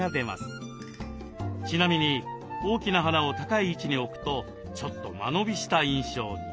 ちなみに大きな花を高い位置に置くとちょっと間延びした印象に。